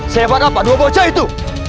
siapa dapat dua bocah itu